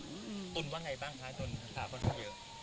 คุณว่าไงบ้างคะเดียวถามคนพอเยอะ